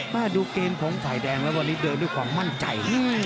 มาดูเกมของฝ่ายแดงแล้ววันนี้เดินด้วยความมั่นใจ